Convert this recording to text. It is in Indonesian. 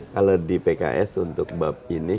kalau di pks untuk bab ini